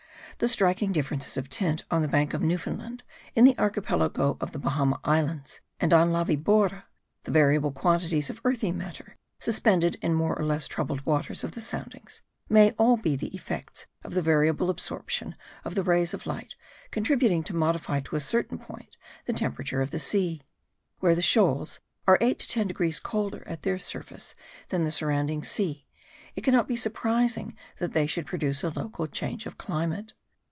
The striking differences of tint on the bank of Newfoundland, in the archipelago of the Bahama Islands and on La Vibora, the variable quantities of earthy matter suspended in the more or less troubled waters of the soundings, may all be the effects of the variable absorption of the rays of light, contributing to modify to a certain point the temperature of the sea. Where the shoals are 8 to 10 degrees colder at their surface than the surrounding sea, it cannot be surprising that they should produce a local change of climate.